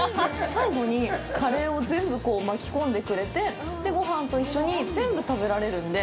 最後にカレーを全部巻き込んでくれて、ごはんと一緒に全部食べられるんで。